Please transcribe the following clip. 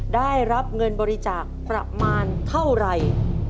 ได้รับเงินบริจาคประมาณเท่าไหร่